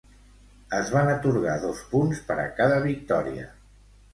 Es van atorgar dos punts per a cada victòria.